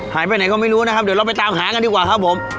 หายไปไหนก็ไม่รู้นะครับเดี๋ยวเราไปตามหากันดีกว่าครับผม